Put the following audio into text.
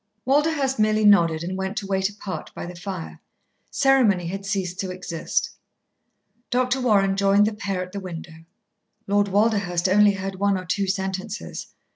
Walderhurst merely nodded and went to wait apart by the fire. Ceremony had ceased to exist. Dr. Warren joined the pair at the window. Lord Walderhurst only heard one or two sentences.